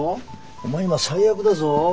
お前今最悪だぞ。